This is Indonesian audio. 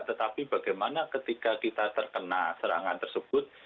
tetapi bagaimana ketika kita terkena serangan tersebut